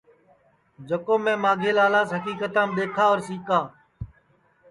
جکو میں مانگھی لالاس حکیکتام دؔیکھا اور سِکا